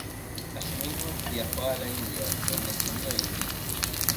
Asimismo, viajó a la India, donde estudió hindi.